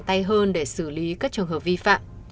tay hơn để xử lý các trường hợp vi phạm